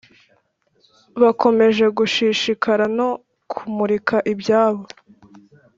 bakomeje gushishikara no kumurika ibyabo